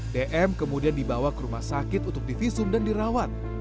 dm kemudian dibawa ke rumah sakit untuk divisum dan dirawat